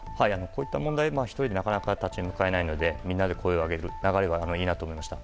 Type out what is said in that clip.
こういった問題、１人でなかなか立ち向かえないのでみんなで声を上げる流れはいいなと思いました。